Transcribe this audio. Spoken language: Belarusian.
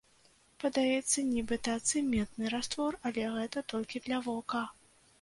Падаецца нібыта цэментны раствор, але гэта толькі для вока.